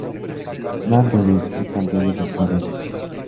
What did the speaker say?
Noah Rubin es el campeón defensor del título.